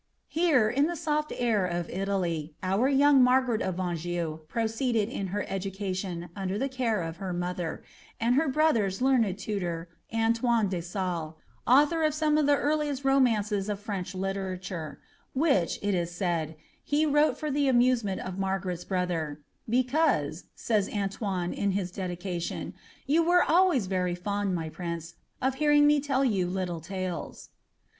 Here, in the soft air of Itajy, our young Margaret of Anjou proceeded in her education, under the care of her mother, and her brother's leamei] nioT, Anioine de Salle, author of some of the earliest romancca of FWnch literaiure, which, it is said, he wrote for the amusement of Mar gsrei's brother; "Because," says Antoine, in his dedication, •* you wort always very fond, my prince, of hearing me letl you little tales."